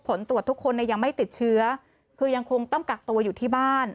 ผลตรวจทุกคนเนี่ยยังไม่ติดเชื้อคือยังคงต้องกักตัวอยู่ที่บ้าน